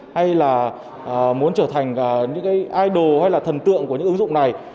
hay là muốn trở thành những cái idol hay là thần tượng của những ứng dụng này